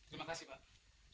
terima kasih pak